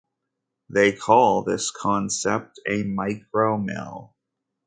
They call this concept a 'micro-mill'.